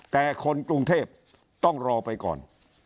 แต่คนกรุงเทพต้องรอไปก่อน